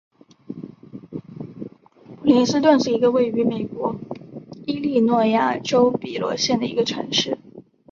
普林斯顿是一个位于美国伊利诺伊州比罗县的城市。